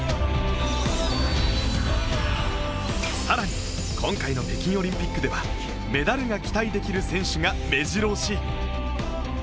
更に、今回の北京オリンピックではメダルが期待できる選手が目白押し。